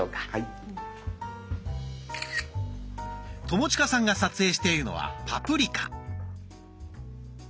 友近さんが撮影しているのはパプリカ。